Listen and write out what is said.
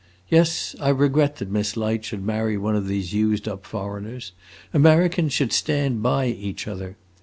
Yes, I regret that Miss Light should marry one of these used up foreigners. Americans should stand by each other.